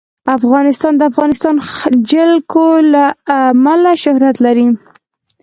افغانستان د د افغانستان جلکو له امله شهرت لري.